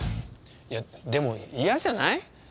いやでも嫌じゃない？